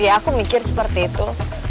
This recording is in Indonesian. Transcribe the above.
ya aku mikir seperti itu